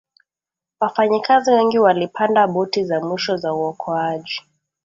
wafanyikazi wengi walipanda boti za mwisho za uokoaji